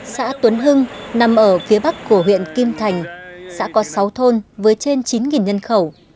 xã tuấn hưng nằm ở phía bắc của huyện kim thành xã có sáu thôn với trên chín nhân khẩu